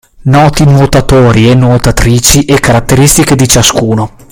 Noti nuotatori e nuotatrici e caratteristiche di ciascuno